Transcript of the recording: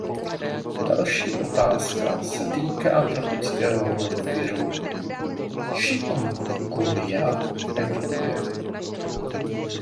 Další otázka se týká tropického viru chikungunya v Evropě.